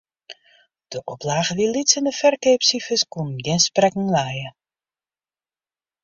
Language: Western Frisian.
De oplage wie lyts en de ferkeapsifers koene gjin sprekken lije.